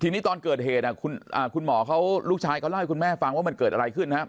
ทีนี้ตอนเกิดเหตุคุณหมอเขาลูกชายเขาเล่าให้คุณแม่ฟังว่ามันเกิดอะไรขึ้นนะครับ